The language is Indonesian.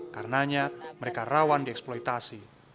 karenanya mereka rawan dieksploitasi